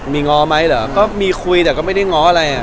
มีง้อไหมเหรอก็มีคุยแต่ก็ไม่ได้ง้ออะไรอ่ะ